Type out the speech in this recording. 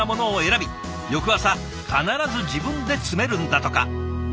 翌朝必ず自分で詰めるんだとか。